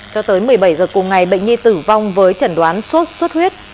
cho tới một mươi bảy h cùng ngày bệnh nhi tử vong với trần đoán sốt xuất huyết